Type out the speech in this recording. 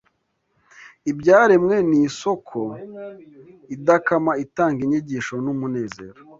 ibyaremwe ni isōko idakama itanga inyigisho n’umunezero.